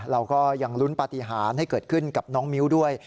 เราก็ยังลุ้นปฏิหารให้เกิดขึ้นกับน้องมิ้วด้วย